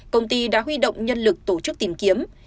công ty đã huy động nhân lực tổ chức tìm kiếm